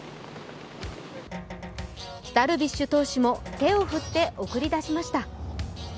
ダルビッシュ投手も手を振って送り出しました。